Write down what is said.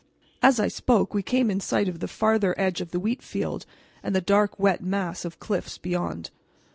As I spoke we came in sight of the farther edge of the wheat field and the dark, wet mass of cliffs beyond.